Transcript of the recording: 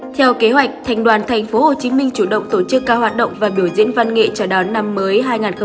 theo kế hoạch thành đoàn tp hcm chủ động tổ chức các hoạt động và biểu diễn văn nghệ chào đón năm mới hai nghìn hai mươi